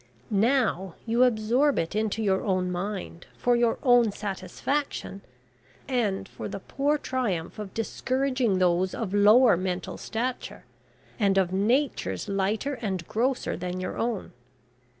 Now you absorb it into your own mind, for your own satisfaction, and for the poor triumph of discouraging those of lower mental stature, and of natures lighter and grosser than your own.